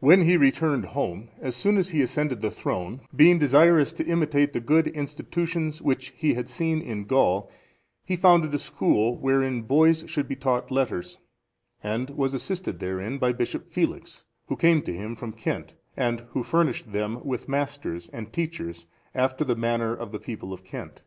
When he returned home, as soon as he ascended the throne, being desirous to imitate the good institutions which he had seen in Gaul, he founded a school wherein boys should be taught letters, and was assisted therein by Bishop Felix, who came to him from Kent, and who furnished them with masters and teachers after the manner of the people of Kent.